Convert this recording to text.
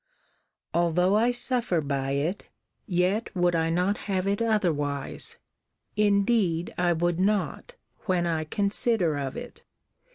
Although I suffer by it, yet would I not have it otherwise: indeed I would not, when I consider of it.